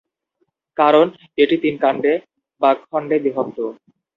কারণ এটি তিন কান্ডে বা খন্ডে বিভক্ত।